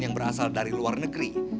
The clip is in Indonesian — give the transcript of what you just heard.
yang berasal dari luar negeri